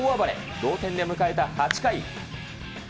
同点で迎えた８回。